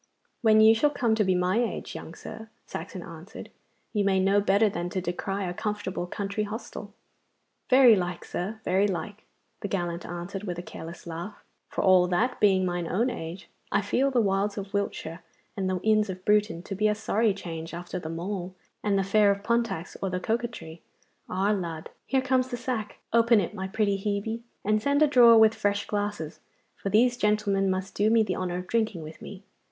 'When you shall come to be my age, young sir,' Saxon answered, 'you may know better than to decry a comfortable country hostel.' 'Very like, sir, very like!' the gallant answered, with a careless laugh. 'For all that, being mine own age, I feel the wilds of Wiltshire and the inns of Bruton to be a sorry change after the Mall, and the fare of Pontack's or the Coca Tree. Ah, Lud! here comes the sack! Open it, my pretty Hebe, and send a drawer with fresh glasses, for these gentlemen must do me the honour of drinking with me.